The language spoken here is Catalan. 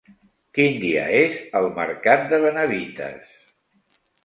Quin dia és el mercat de Benavites?